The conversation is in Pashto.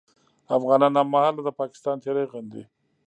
افغانان هممهاله د پاکستان تېری غندي